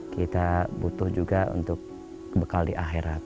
kita butuh juga untuk bekal di akhirat